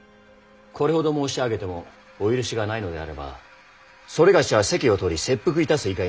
これほど申し上げてもお許しがないのであれば某は責を取り切腹いたす以外にございませぬ。